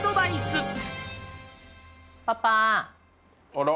あら？